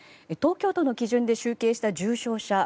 東京都の基準で集計した重症者